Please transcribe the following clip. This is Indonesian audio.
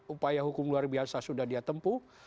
upaya hukum luar biasa sudah dia tempuh